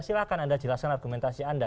silahkan anda jelaskan argumentasi anda